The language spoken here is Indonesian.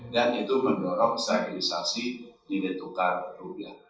dan itu mendorong stabilisasi mili tukar rupiah